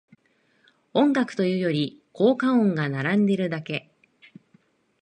音楽というより効果音が並んでるだけ